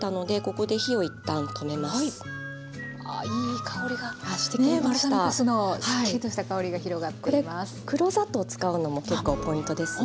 これ黒砂糖使うのも結構ポイントですね。